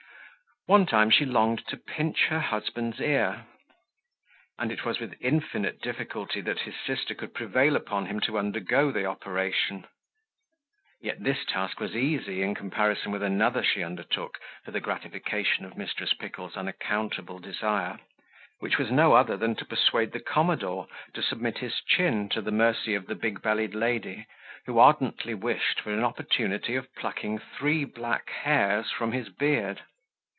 One time she longed to pinch her husband's ear; and it was with infinite difficulty that his sister could prevail upon him to undergo the operation. Yet this task was easy, in comparison with another she undertook for the gratification of Mrs. Pickle's unaccountable desire; which was no other than to persuade the commodore to submit his chin to the mercy of the big bellied lady, who ardently wished for an opportunity of plucking three black hairs from his beard.